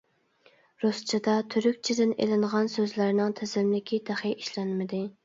رۇسچىدا تۈركچىدىن ئېلىنغان سۆزلەرنىڭ تىزىملىكى تېخى ئىشلەنمىدى.